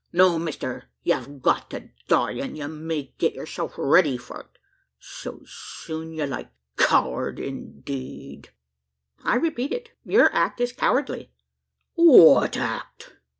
No, mister! ye've got to die; an' ye may get yurself ready for't, 's soon's ye like. Coward indeed!" "I repeat it your act is cowardly." "What act?"